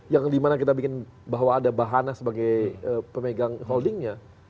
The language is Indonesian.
yang dimana kita bikin bahwa ada bahana sebagai pemegang holdingnya